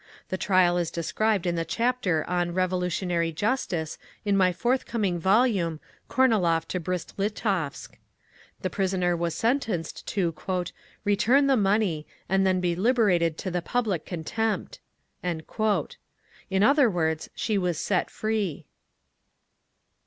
The trial is described in the chapter on "Revolutionary Justice" in my forthcoming volume, "Kornilov to Brist Litovsk." The prisoner was sentenced to "return the money, and then be liberated to the public contempt." In other words, she was set free!